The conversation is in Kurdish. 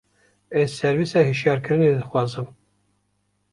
Ez servîsa hişyarkirinê dixwazim.